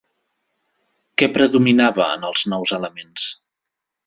Què predominava en els nous elements?